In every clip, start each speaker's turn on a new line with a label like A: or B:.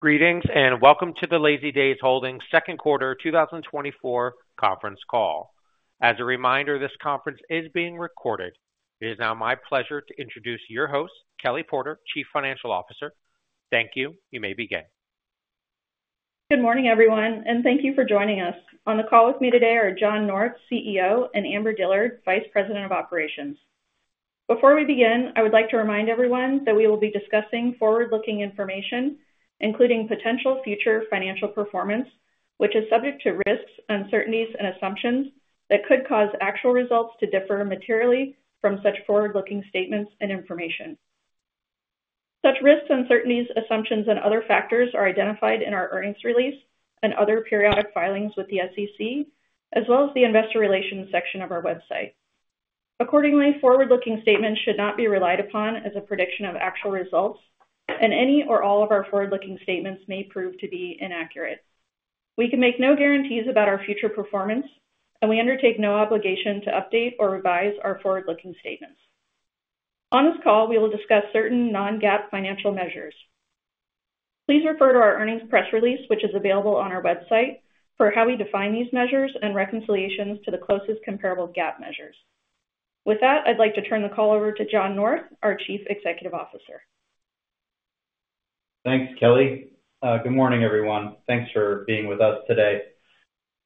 A: Greetings, and welcome to the Lazydays Holdings Second Quarter 2024 Conference Call. As a reminder, this conference is being recorded. It is now my pleasure to introduce your host, Kelly Porter, Chief Financial Officer. Thank you. You may begin.
B: Good morning, everyone, and thank you for joining us. On the call with me today are John North, CEO, and Amber Dillard, Vice President of Operations. Before we begin, I would like to remind everyone that we will be discussing forward-looking information, including potential future financial performance, which is subject to risks, uncertainties, and assumptions that could cause actual results to differ materially from such forward-looking statements and information. Such risks, uncertainties, assumptions, and other factors are identified in our earnings release and other periodic filings with the SEC, as well as the investor relations section of our website. Accordingly, forward-looking statements should not be relied upon as a prediction of actual results, and any or all of our forward-looking statements may prove to be inaccurate. We can make no guarantees about our future performance, and we undertake no obligation to update or revise our forward-looking statements.
C: On this call, we will discuss certain non-GAAP financial measures. Please refer to our earnings press release, which is available on our website, for how we define these measures and reconciliations to the closest comparable GAAP measures. With that, I'd like to turn the call over to John North, our Chief Executive Officer.
D: Thanks, Kelly. Good morning, everyone. Thanks for being with us today.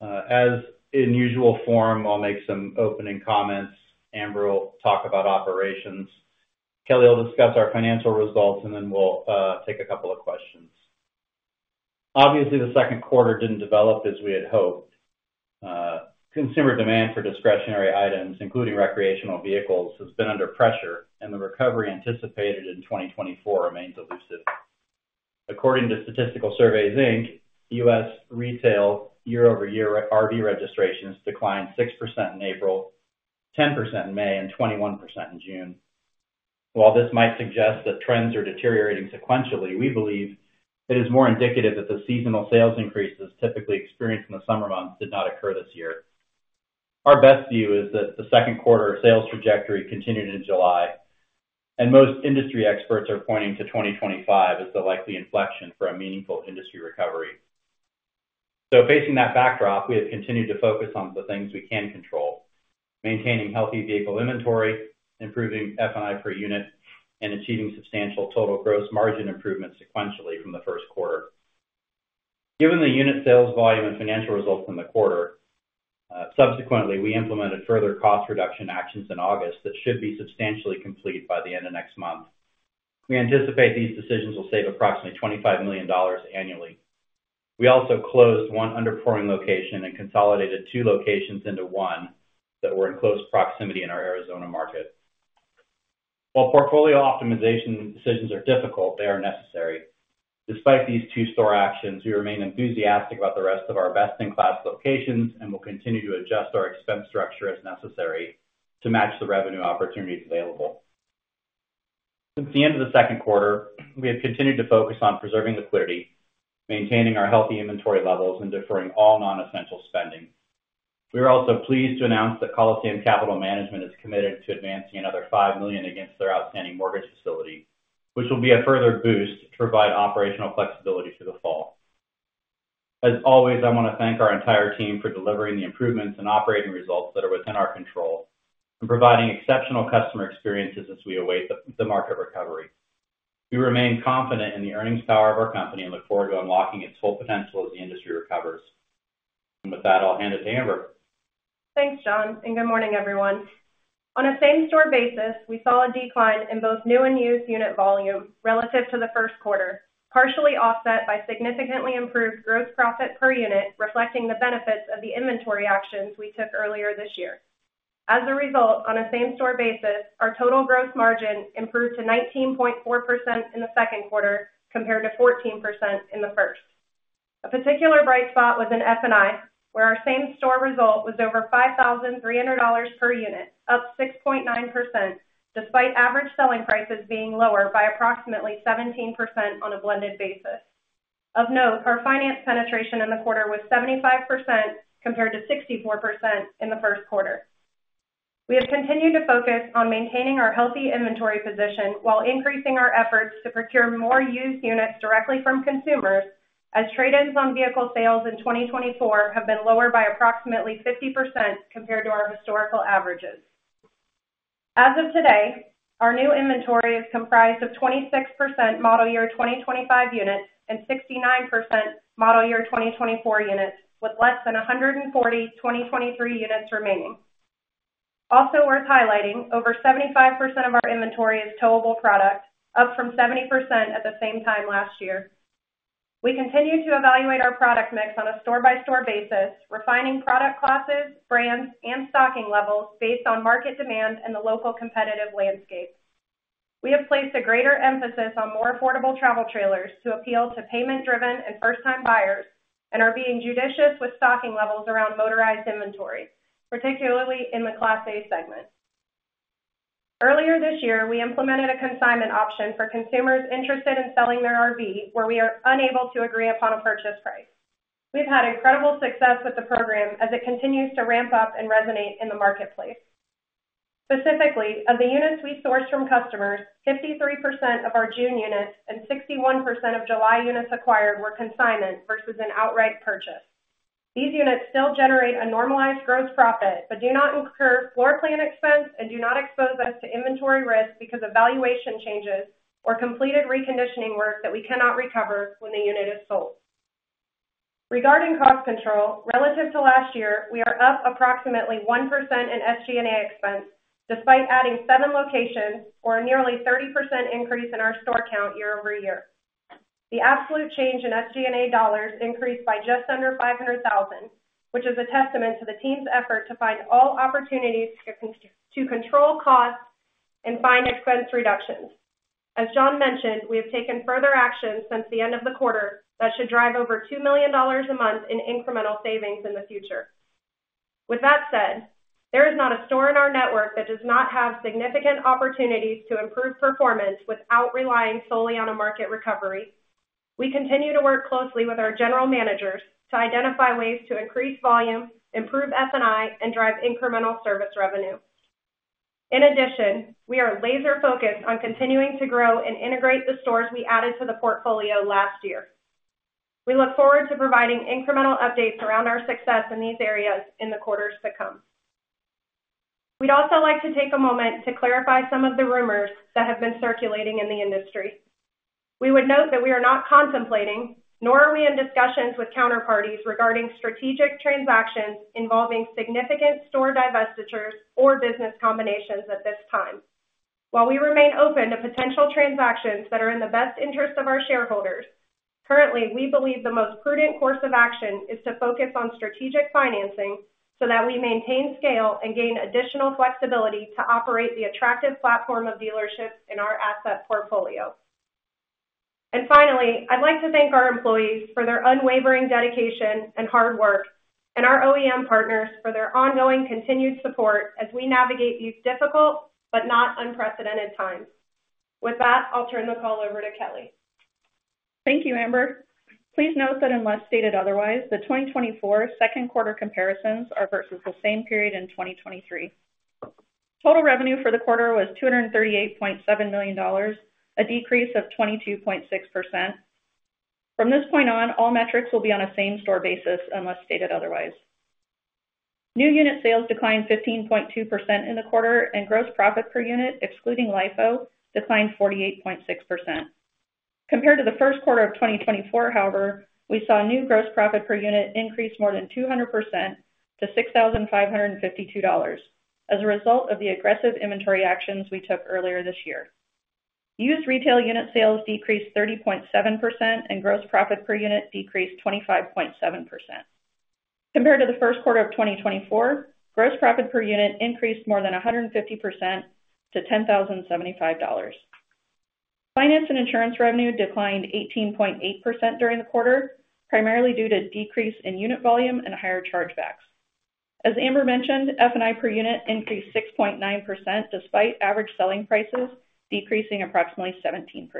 D: As in usual form, I'll make some opening comments. Amber will talk about operations. Kelly will discuss our financial results, and then we'll take a couple of questions. Obviously, the second quarter didn't develop as we had hoped. Consumer demand for discretionary items, including recreational vehicles, has been under pressure, and the recovery anticipated in 2024 remains elusive. According to Statistical Surveys, Inc, U.S. retail year-over-year RV registrations declined 6% in April, 10% in May, and 21% in June. While this might suggest that trends are deteriorating sequentially, we believe it is more indicative that the seasonal sales increases typically experienced in the summer months did not occur this year.
C: Our best view is that the second quarter sales trajectory continued in July, and most industry experts are pointing to 2025 as the likely inflection for a meaningful industry recovery. So facing that backdrop, we have continued to focus on the things we can control, maintaining healthy vehicle inventory, improving F&I per unit, and achieving substantial total gross margin improvement sequentially from the first quarter. Given the unit sales volume and financial results in the quarter, subsequently, we implemented further cost reduction actions in August that should be substantially complete by the end of next month. We anticipate these decisions will save approximately $25 million annually. We also closed one underperforming location and consolidated two locations into one that were in close proximity in our Arizona market. While portfolio optimization decisions are difficult, they are necessary. Despite these two store actions, we remain enthusiastic about the rest of our best-in-class locations and will continue to adjust our expense structure as necessary to match the revenue opportunities available. Since the end of the second quarter, we have continued to focus on preserving liquidity, maintaining our healthy inventory levels, and deferring all non-essential spending. We are also pleased to announce that Coliseum Capital Management is committed to advancing another $5 million against their outstanding mortgage facility, which will be a further boost to provide operational flexibility through the fall. As always, I want to thank our entire team for delivering the improvements and operating results that are within our control and providing exceptional customer experiences as we await the market recovery. We remain confident in the earnings power of our company and look forward to unlocking its full potential as the industry recovers. With that, I'll hand it to Amber. Thanks, John, and good morning, everyone. On a same-store basis, we saw a decline in both new and used unit volume relative to the first quarter, partially offset by significantly improved gross profit per unit, reflecting the benefits of the inventory actions we took earlier this year. As a result, on a same-store basis, our total gross margin improved to 19.4% in the second quarter compared to 14% in the first. A particular bright spot was in F&I, where our same-store result was over $5,300 per unit, up 6.9%, despite average selling prices being lower by approximately 17% on a blended basis. Of note, our finance penetration in the quarter was 75%, compared to 64% in the first quarter. We have continued to focus on maintaining our healthy inventory position while increasing our efforts to procure more used units directly from consumers, as trade-ins on vehicle sales in 2024 have been lower by approximately 50% compared to our historical averages. As of today, our new inventory is comprised of 26% model year 2025 units and 69% model year 2024 units, with less than 140 2023 units remaining. Also worth highlighting, over 75% of our inventory is towable product, up from 70% at the same time last year. We continue to evaluate our product mix on a store-by-store basis, refining product classes, brands, and stocking levels based on market demand and the local competitive landscape. We have placed a greater emphasis on more affordable travel trailers to appeal to payment-driven and first-time buyers and are being judicious with stocking levels around motorized inventory, particularly in the Class A segment. Earlier this year, we implemented a consignment option for consumers interested in selling their RV, where we are unable to agree upon a purchase price. We've had incredible success with the program as it continues to ramp up and resonate in the marketplace. Specifically, of the units we sourced from customers, 53% of our June units and 61% of July units acquired were consignment versus an outright purchase. These units still generate a normalized gross profit, but do not incur floor plan expense and do not expose us to inventory risk because of valuation changes or completed reconditioning work that we cannot recover when the unit is sold. Regarding cost control, relative to last year, we are up approximately 1% in SG&A expense, despite adding seven locations or a nearly 30% increase in our store count year-over-year. The absolute change in SG&A dollars increased by just under $500,000, which is a testament to the team's effort to find all opportunities to control costs and find expense reductions. As John mentioned, we have taken further actions since the end of the quarter that should drive over $2 million a month in incremental savings in the future. With that said, there is not a store in our network that does not have significant opportunities to improve performance without relying solely on a market recovery. We continue to work closely with our general managers to identify ways to increase volume, improve F&I, and drive incremental service revenue. In addition, we are laser-focused on continuing to grow and integrate the stores we added to the portfolio last year. We look forward to providing incremental updates around our success in these areas in the quarters to come. We'd also like to take a moment to clarify some of the rumors that have been circulating in the industry. We would note that we are not contemplating, nor are we in discussions with counterparties regarding strategic transactions involving significant store divestitures or business combinations at this time. While we remain open to potential transactions that are in the best interest of our shareholders, currently, we believe the most prudent course of action is to focus on strategic financing so that we maintain scale and gain additional flexibility to operate the attractive platform of dealerships in our asset portfolio. And finally, I'd like to thank our employees for their unwavering dedication and hard work, and our OEM partners for their ongoing continued support as we navigate these difficult, but not unprecedented times. With that, I'll turn the call over to Kelly.
B: Thank you, Amber. Please note that unless stated otherwise, the 2024 second quarter comparisons are versus the same period in 2023. Total revenue for the quarter was $238.7 million, a decrease of 22.6%. From this point on, all metrics will be on a same-store basis, unless stated otherwise. New unit sales declined 15.2% in the quarter, and gross profit per unit, excluding LIFO, declined 48.6%. Compared to the first quarter of 2024, however, we saw new gross profit per unit increase more than 200% to $6,552 as a result of the aggressive inventory actions we took earlier this year. Used retail unit sales decreased 30.7%, and gross profit per unit decreased 25.7%.
C: Compared to the first quarter of 2024, gross profit per unit increased more than 150% to $10,075. Finance and insurance revenue declined 18.8% during the quarter, primarily due to decrease in unit volume and higher chargebacks. As Amber mentioned, F&I per unit increased 6.9%, despite average selling prices decreasing approximately 17%.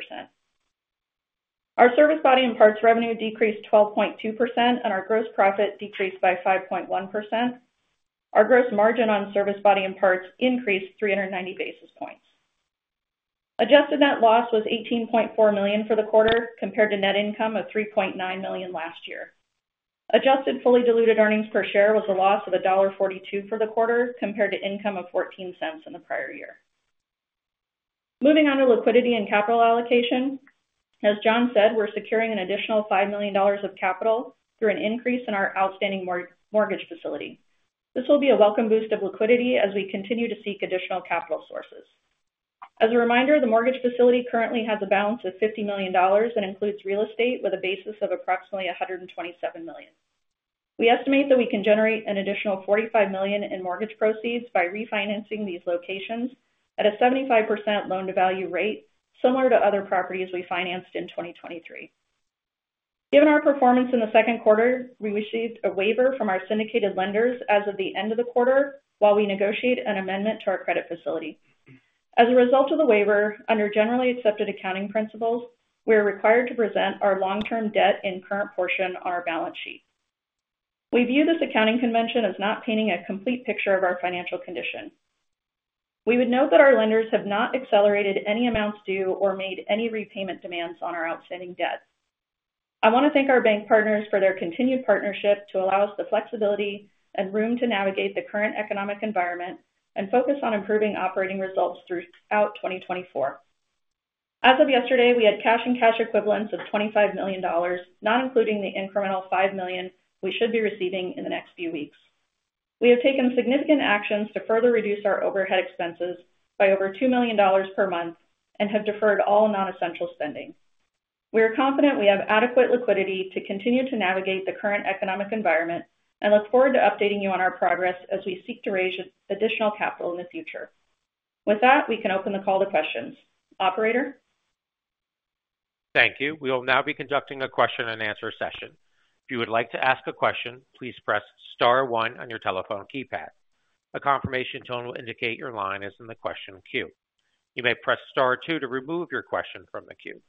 C: Our service, body, and parts revenue decreased 12.2%, and our gross profit decreased by 5.1%. Our gross margin on service, body, and parts increased 390 basis points. Adjusted net loss was $18.4 million for the quarter, compared to net income of $3.9 million last year. Adjusted fully diluted earnings per share was a loss of $1.42 for the quarter, compared to income of $0.14 in the prior year. Moving on to liquidity and capital allocation. As John said, we're securing an additional $5 million of capital through an increase in our outstanding mortgage facility. This will be a welcome boost of liquidity as we continue to seek additional capital sources. As a reminder, the mortgage facility currently has a balance of $50 million and includes real estate with a basis of approximately $127 million. We estimate that we can generate an additional $45 million in mortgage proceeds by refinancing these locations at a 75% loan-to-value rate, similar to other properties we financed in 2023. Given our performance in the second quarter, we received a waiver from our syndicated lenders as of the end of the quarter, while we negotiate an amendment to our credit facility. As a result of the waiver, under generally accepted accounting principles, we are required to present our long-term debt in current portion on our balance sheet. We view this accounting convention as not painting a complete picture of our financial condition. We would note that our lenders have not accelerated any amounts due or made any repayment demands on our outstanding debt. I want to thank our bank partners for their continued partnership to allow us the flexibility and room to navigate the current economic environment and focus on improving operating results throughout 2024. As of yesterday, we had cash and cash equivalents of $25 million, not including the incremental $5 million we should be receiving in the next few weeks. We have taken significant actions to further reduce our overhead expenses by over $2 million per month and have deferred all non-essential spending. We are confident we have adequate liquidity to continue to navigate the current economic environment and look forward to updating you on our progress as we seek to raise additional capital in the future. With that, we can open the call to questions. Operator?
A: Thank you. We will now be conducting a question-and-answer session. If you would like to ask a question, please press star one on your telephone keypad. A confirmation tone will indicate your line is in the question queue.
C: You may press star two to remove your question from the queue.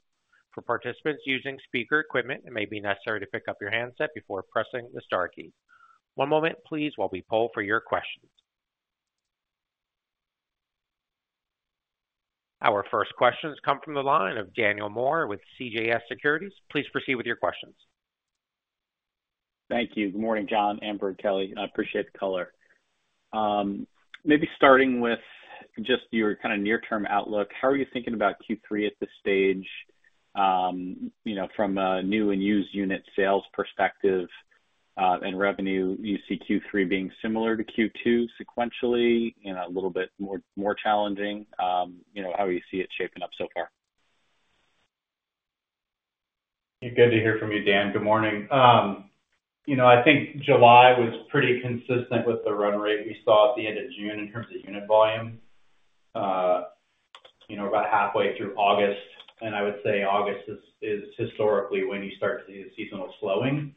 C: For participants using speaker equipment, it may be necessary to pick up your handset before pressing the star key. One moment, please, while we poll for your questions. Our first questions come from the line of Daniel Moore with CJS Securities. Please proceed with your questions.
E: Thank you. Good morning, John, Amber, and Kelly. I appreciate the color. Maybe starting with just your kind of near-term outlook, how are you thinking about Q3 at this stage? You know, from a new and used unit sales perspective, and revenue, you see Q3 being similar to Q2 sequentially and a little bit more challenging. You know, how you see it shaping up so far?
D: Good to hear from you, Dan. Good morning. You know, I think July was pretty consistent with the run rate we saw at the end of June in terms of unit volume. You know, we're about halfway through August, and I would say August is historically when you start to see the seasonal slowing.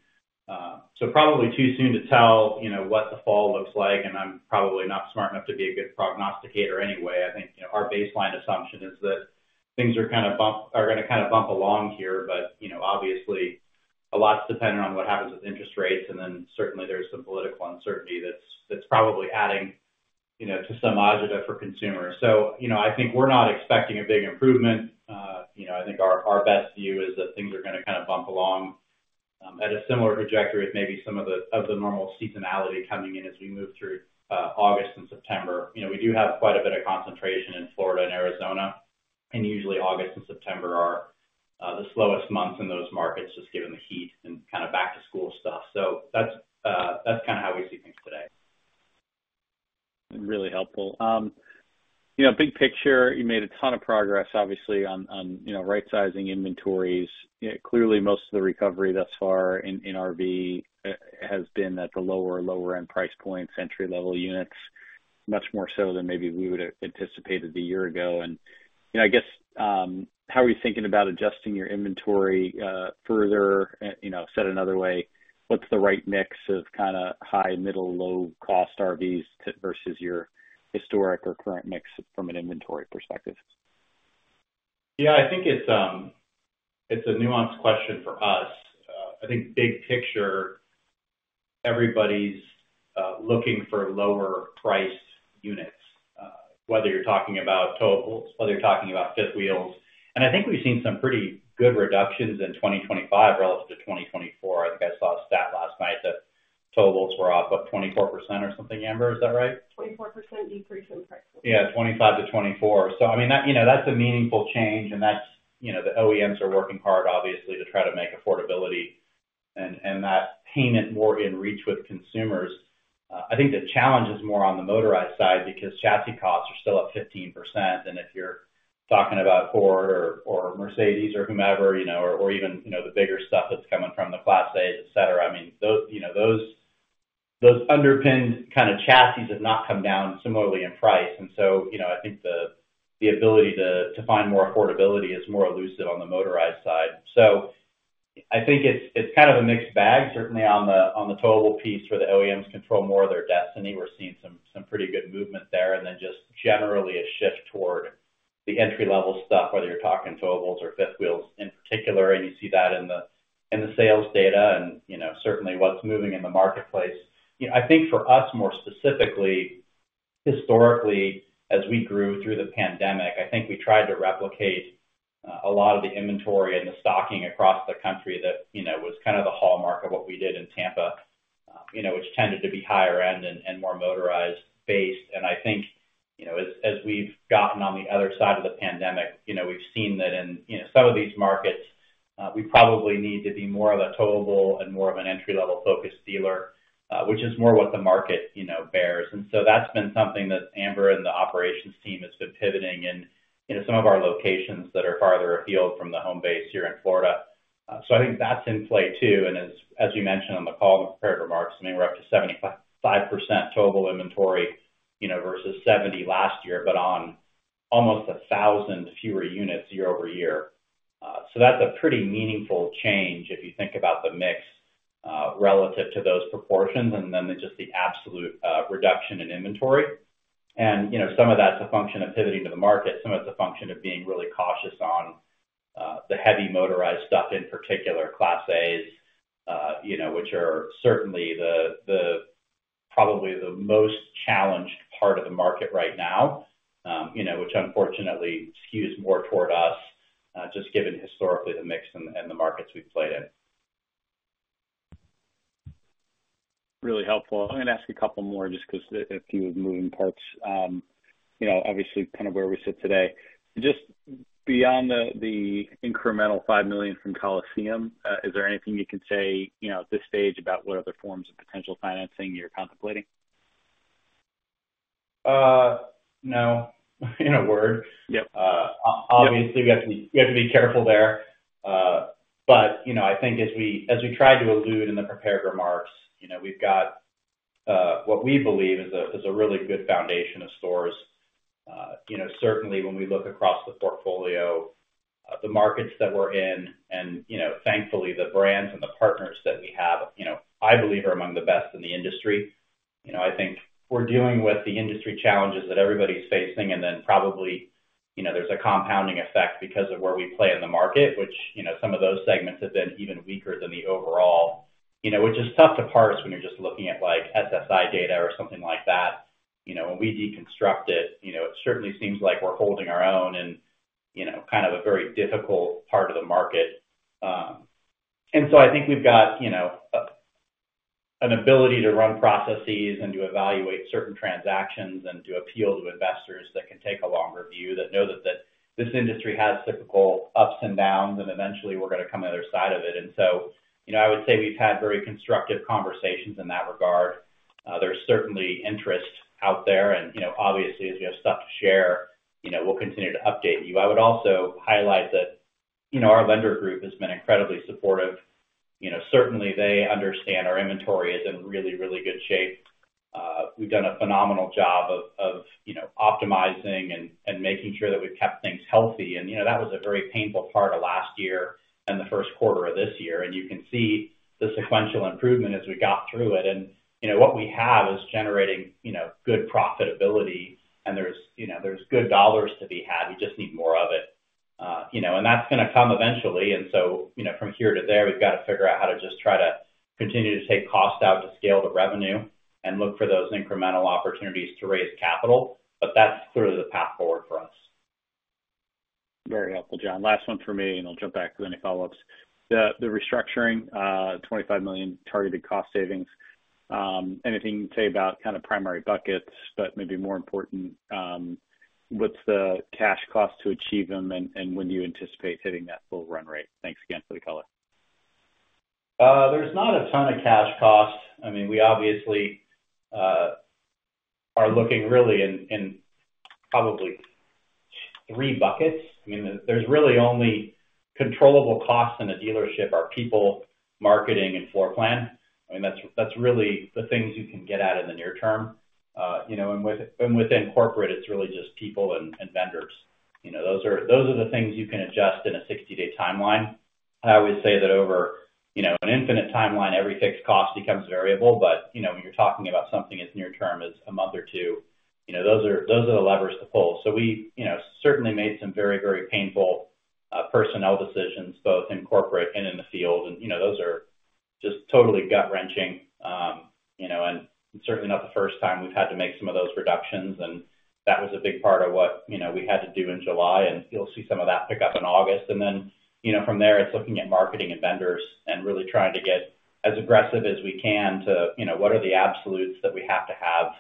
D: So probably too soon to tell, you know, what the fall looks like, and I'm probably not smart enough to be a good prognosticator anyway. I think, you know, our baseline assumption is that things are kind of gonna bump along here, but, you know, obviously, a lot's dependent on what happens with interest rates, and then certainly there's some political uncertainty that's probably adding, you know, to some agita for consumers. So, you know, I think we're not expecting a big improvement.
C: You know, I think our best view is that things are gonna kind of bump along at a similar trajectory with maybe some of the normal seasonality coming in as we move through August and September. You know, we do have quite a bit of concentration in Florida and Arizona, and usually August and September are the slowest months in those markets, just given the heat and kind of back to school stuff. So that's kind of how we see things today.
E: Really helpful. You know, big picture, you made a ton of progress, obviously, on you know, right-sizing inventories. Yeah, clearly, most of the recovery thus far in RV has been at the lower-end price points, entry-level units, much more so than maybe we would have anticipated a year ago. You know, I guess, how are you thinking about adjusting your inventory further? You know, said another way, what's the right mix of kind of high, middle, low-cost RVs to versus your historic or current mix from an inventory perspective?
D: Yeah, I think it's a nuanced question for us. I think big picture, everybody's looking for lower-priced units, whether you're talking about towables, whether you're talking about fifth wheels. And I think we've seen some pretty good reductions in 2025 relative to 2024. I think I saw a stat last night that towables were off, what, 24% or something. Amber, is that right?
C: 24% increase in price.
D: Yeah, 25% to 24%. So, I mean, that, you know, that's a meaningful change, and that's, you know, the OEMs are working hard, obviously, to try to make affordability and that payment more in reach with consumers. I think the challenge is more on the motorized side because chassis costs are still up 15%. And if you're talking about Ford or Mercedes or whomever, you know, or even the bigger stuff that's coming from the Class A's, et cetera, I mean, those, you know, those underpinned kind of chassis have not come down similarly in price. And so, you know, I think the ability to find more affordability is more elusive on the motorized side. So I think it's kind of a mixed bag, certainly on the towable piece, where the OEMs control more of their destiny.
C: We're seeing some pretty good movement there, and then just generally a shift toward the entry-level stuff, whether you're talking towables or fifth wheels. In particular, you see that in the sales data and, you know, certainly what's moving in the marketplace. You know, I think for us, more specifically, historically, as we grew through the pandemic, I think we tried to replicate a lot of the inventory and the stocking across the country that, you know, was kind of the hallmark of what we did in Tampa, you know, which tended to be higher end and more motorized based. I think, you know, as we've gotten on the other side of the pandemic, you know, we've seen that in, you know, some of these markets, we probably need to be more of a towable and more of an entry-level focused dealer, which is more what the market, you know, bears. So that's been something that Amber and the operations team has been pivoting in some of our locations that are farther afield from the home base here in Florida. So I think that's in play, too. As you mentioned on the call in the prepared remarks, I mean, we're up to 75% towable inventory, you know, versus 70% last year, but on almost 1,000 fewer units year-over-year. So that's a pretty meaningful change if you think about the mix, relative to those proportions, and then just the absolute reduction in inventory. You know, some of that's a function of pivoting to the market. Some of it's a function of being really cautious on the heavy motorized stuff, in particular Class A's, you know, which are certainly probably the most challenged part of the market right now. You know, which unfortunately skews more toward us, just given historically the mix and the markets we play in.
E: Really helpful. I'm gonna ask a couple more just 'cause a few moving parts. You know, obviously kind of where we sit today. Just beyond the incremental $5 million from Coliseum, is there anything you can say, you know, at this stage about what other forms of potential financing you're contemplating?
D: No, in a word.
E: Yep.
D: Uh, o-
E: Yep.
D: Obviously, we have to be careful there. But you know, I think as we tried to allude in the prepared remarks, you know, we've got what we believe is a really good foundation of stores. You know, certainly when we look across the portfolio, the markets that we're in, and you know, thankfully, the brands and the partners that we have, you know, I believe are among the best in the industry. You know, I think we're dealing with the industry challenges that everybody's facing, and then probably, you know, there's a compounding effect because of where we play in the market, which, you know, some of those segments have been even weaker than the overall. You know, which is tough to parse when you're just looking at, like, SSI data or something like that.
C: You know, when we deconstruct it, you know, it certainly seems like we're holding our own in, you know, kind of a very difficult part of the market, and so I think we've got, you know, an ability to run processes and to evaluate certain transactions and to appeal to investors that can take a longer view, that know that this industry has cyclical ups and downs, and eventually we're gonna come on the other side of it. And so, you know, I would say we've had very constructive conversations in that regard. There's certainly interest out there, and, you know, obviously, as we have stuff to share, you know, we'll continue to update you. I would also highlight that, you know, our lender group has been incredibly supportive. You know, certainly they understand our inventory is in really, really good shape. We've done a phenomenal job of you know, optimizing and making sure that we've kept things healthy, and you know, that was a very painful part of last year and the first quarter of this year, and you can see the sequential improvement as we got through it, and you know, what we have is generating you know, good profitability, and there's you know, good dollars to be had. We just need more of it. You know, and that's gonna come eventually, and so you know, from here to there, we've got to figure out how to just try to continue to take cost out to scale the revenue and look for those incremental opportunities to raise capital, but that's sort of the path forward for us.
E: Very helpful, John. Last one for me, and I'll jump back to any follow-ups. The restructuring, $25 million targeted cost savings, anything you can say about kind of primary buckets, but maybe more important, what's the cash cost to achieve them, and when do you anticipate hitting that full run rate? Thanks again for the color.
D: There's not a ton of cash cost. I mean, we obviously are looking really in probably three buckets. I mean, there's really only controllable costs in a dealership are people, marketing, and floor plan. I mean, that's really the things you can get at in the near term. You know, and within corporate, it's really just people and vendors. You know, those are the things you can adjust in a 60-day timeline. I would say that over, you know, an infinite timeline, every fixed cost becomes variable, but you know when you're talking about something as near term as a month or two, you know, those are the levers to pull. So we you know certainly made some very, very painful personnel decisions, both in corporate and in the field.
C: You know, those are just totally gut-wrenching. You know, and certainly not the first time we've had to make some of those reductions, and that was a big part of what, you know, we had to do in July, and you'll see some of that pick up in August, and then, you know, from there, it's looking at marketing and vendors and really trying to get as aggressive as we can to, you know, what are the absolutes that we have to have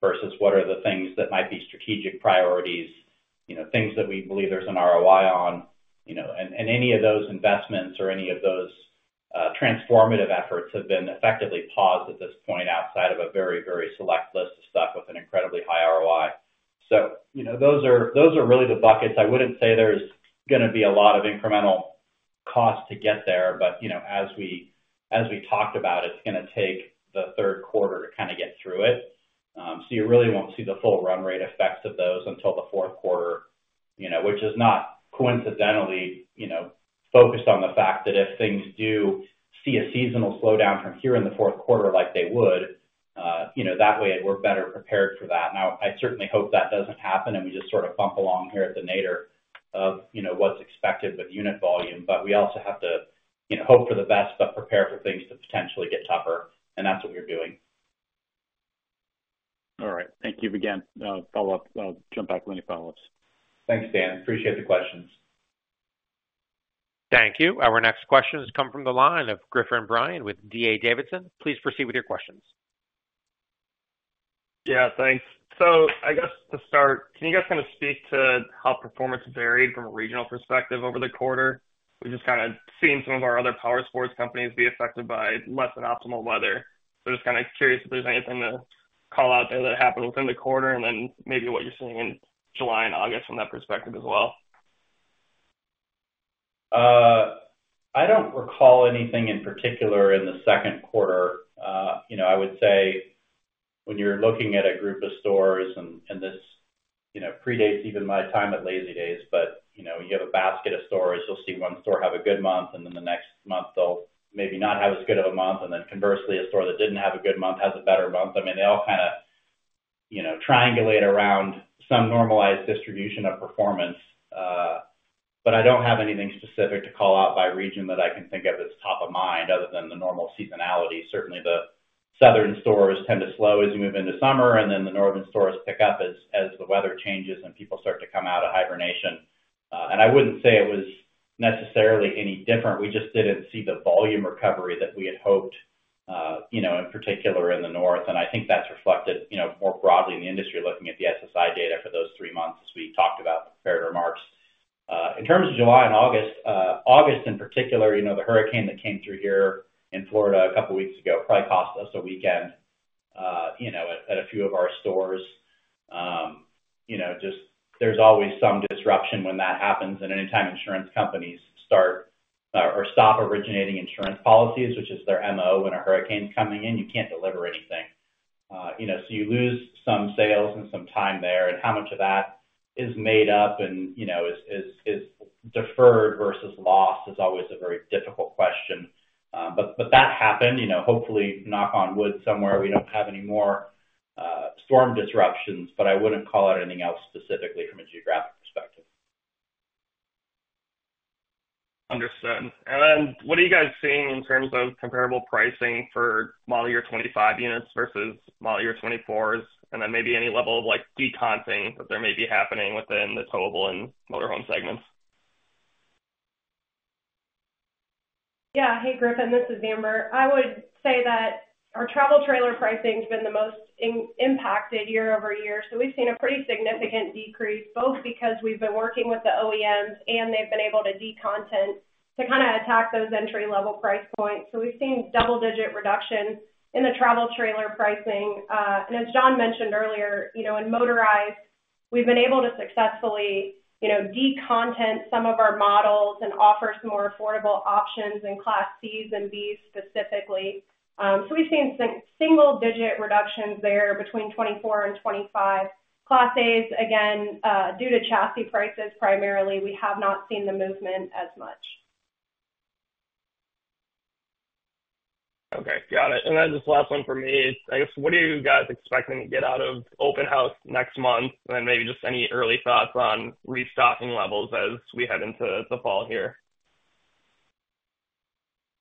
C: versus what are the things that might be strategic priorities, you know, things that we believe there's an ROI on. You know, and any of those investments or any of those, transformative efforts have been effectively paused at this point, outside of a very, very select list of stuff with an incredibly high ROI. So, you know, those are really the buckets. I wouldn't say there's gonna be a lot of incremental cost to get there, but, you know, as we talked about, it's gonna take the third quarter to kind of get through it, so you really won't see the full run rate effects of those until the fourth quarter, you know, which is not coincidentally, you know, focused on the fact that if things do see a seasonal slowdown from here in the fourth quarter, like they would, you know, that way, we're better prepared for that. Now, I certainly hope that doesn't happen, and we just sort of bump along here at the nadir of, you know, what's expected with unit volume. But we also have to, you know, hope for the best, but prepare for things to potentially get tougher, and that's what we're doing.
E: All right. Thank you again. I'll jump back with any follow-ups.
D: Thanks, Dan. Appreciate the questions.
A: Thank you. Our next question has come from the line of Griffin Bryan with D.A. Davidson. Please proceed with your questions.
F: Yeah, thanks. So I guess to start, can you guys kind of speak to how performance varied from a regional perspective over the quarter? We've just kind of seen some of our other power sports companies be affected by less than optimal weather. So just kind of curious if there's anything to call out there that happened within the quarter, and then maybe what you're seeing in July and August from that perspective as well.
D: I don't recall anything in particular in the second quarter. You know, I would say when you're looking at a group of stores, and, and this, you know, predates even my time at Lazydays, but, you know, you have a basket of stores, you'll see one store have a good month, and then the next month they'll maybe not have as good of a month, and then conversely, a store that didn't have a good month has a better month. I mean, they all kind of, you know, triangulate around some normalized distribution of performance. But I don't have anything specific to call out by region that I can think of that's top of mind other than the normal seasonality.
C: Certainly, the southern stores tend to slow as you move into summer, and then the northern stores pick up as the weather changes and people start to come out of hibernation. And I wouldn't say it was necessarily any different. We just didn't see the volume recovery that we had hoped, you know, in particular in the north, and I think that's reflected, you know, more broadly in the industry, looking at the SSI data for those three months, as we talked about in the prepared remarks. In terms of July and August, August in particular, you know, the hurricane that came through here in Florida a couple weeks ago, probably cost us a weekend, you know, at a few of our stores. You know, just there's always some disruption when that happens, and anytime insurance companies start or stop originating insurance policies, which is their MO, when a hurricane's coming in, you can't deliver anything. You know, so you lose some sales and some time there, and how much of that is made up and, you know, is deferred versus lost is always a very difficult question. But that happened, you know, hopefully, knock on wood somewhere, we don't have any more storm disruptions, but I wouldn't call out anything else specifically from a geographic perspective.
F: Understood. And then what are you guys seeing in terms of comparable pricing for model year 2025 units versus model year 2024 units? And then maybe any level of, like, decontenting that there may be happening within the towable and motorhome segments.
C: Yeah. Hey, Griffin, this is Amber. I would say that our travel trailer pricing has been the most impacted year-over-year, so we've seen a pretty significant decrease, both because we've been working with the OEMs and they've been able to decontent to kind of attack those entry-level price points. So we've seen double-digit reductions in the travel trailer pricing. And as John mentioned earlier, you know, in motorized, we've been able to successfully, you know, decontent some of our models and offer some more affordable options in Class C's and B's specifically. So we've seen single-digit reductions there between 2024 and 2025. Class A's, again, due to chassis prices, primarily, we have not seen the movement as much.
F: Okay, got it. And then just last one for me, I guess, what are you guys expecting to get out of Open House next month? And maybe just any early thoughts on restocking levels as we head into the fall here?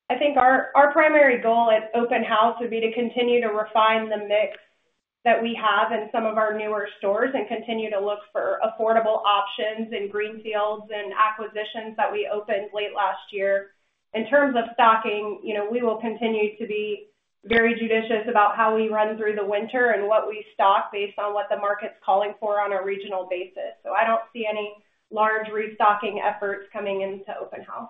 C: I think our primary goal at Open House would be to continue to refine the mix that we have in some of our newer stores and continue to look for affordable options in greenfields and acquisitions that we opened late last year. In terms of stocking, you know, we will continue to be very judicious about how we run through the winter and what we stock based on what the market's calling for on a regional basis. So I don't see any large restocking efforts coming into Open House.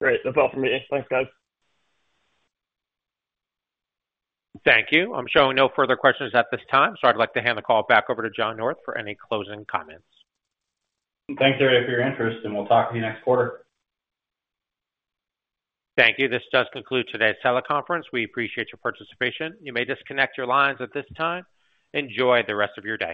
F: Great. That's all for me. Thanks, guys.
A: Thank you. I'm showing no further questions at this time, so I'd like to hand the call back over to John North for any closing comments.
D: Thanks, everybody, for your interest, and we'll talk to you next quarter.
A: Thank you. This does conclude today's teleconference. We appreciate your participation. You may disconnect your lines at this time. Enjoy the rest of your day.